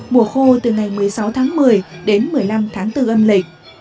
mùa khô từ ngày một mươi sáu tháng một mươi đến một mươi năm tháng bốn âm lịch